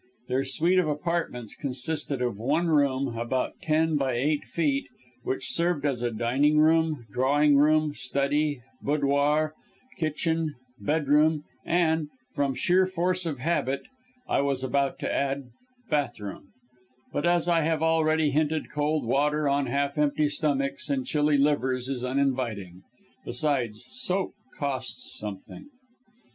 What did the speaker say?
Their suite of apartments consisted of one room, about ten by eight feet, which served as a dining room, drawing room, study, boudoir, kitchen, bedroom, and from sheer force of habit, I was about to add bathroom; but as I have already hinted cold water on half empty stomachs and chilly livers is uninviting; besides, soap costs something.